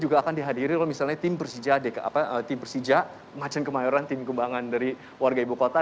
akan dihadiri oleh misalnya tim persija macen kemayoran tim kembangan dari warga ibu kota